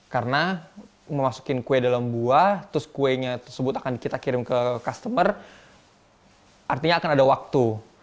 karena memasukin kue dalam buah terus kuenya tersebut akan kita kirim ke customer artinya akan ada waktu